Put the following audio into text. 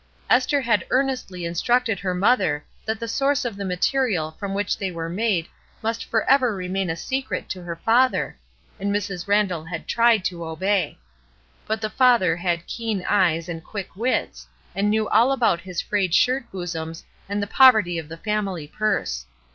Esther had earnestly instructed her mother that the source of the material from which they HOMEWARD BOUND 343 were made must forever remain a secret to her father, and Mrs. Randall had tried to obey. But the father had keen eyes and quick wits, and knew all about his frayed shirt bosoms and the poverty of the family purse.